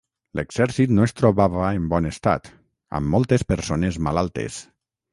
L"exèrcit no es trobava en bon estat, amb moltes persones malaltes.